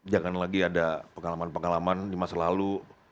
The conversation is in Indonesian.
jangan lagi ada pengalaman pengalaman di masa lalu